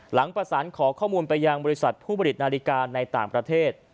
หลังประสานขอข้อมูลไปยังบริษัทผู้ผลิตนาฬิกาในต่างประเทศ